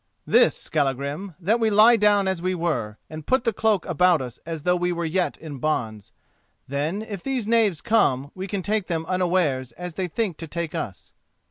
"This, Skallagrim: that we lie down as we were, and put the cloaks about us as though we were yet in bonds. Then, if these knaves come, we can take them unawares as they think to take us."